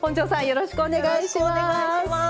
よろしくお願いします。